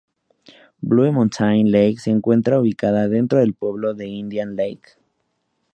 Blue Mountain Lake se encuentra ubicada dentro del pueblo de Indian Lake.